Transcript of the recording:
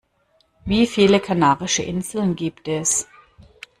Wie viele Kanarische Inseln gibt es?